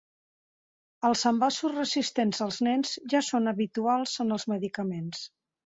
Els envasos resistents als nens ja són habituals en els medicaments.